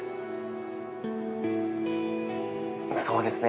そうですね。